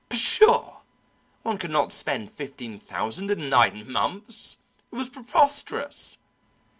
Pshaw! one could not spend fifteen thousand in nine months! It was preposterous!